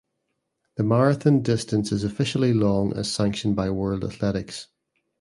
The marathon distance is officially long as sanctioned by World Athletics.